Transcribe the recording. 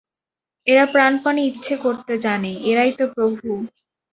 এরা প্রাণপণে ইচ্ছে করতে জানে, এরাই তো প্রভু।